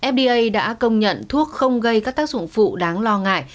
fda đã công nhận thuốc không gây các tác dụng phụ đáng lo ngại